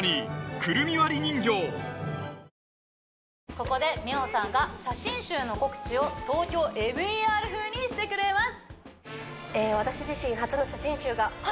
ここで美桜さんが写真集の告知を「ＴＯＫＹＯＭＥＲ」風にしてくれます！